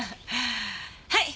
はい。